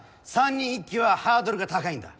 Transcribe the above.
３人一気はハードルが高いんだ。